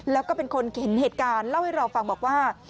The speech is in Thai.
แล้วก็เป็นคนเห็นเหตุการณ์เล่าให้เราฟังบอกว่า